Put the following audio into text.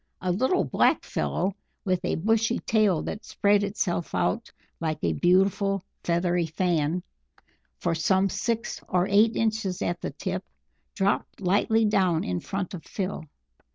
A little black fellow, with a bushy tail that spread itself out like a beautiful feathery fan for some six or eight inches at the tip, dropped lightly down in front of Phil.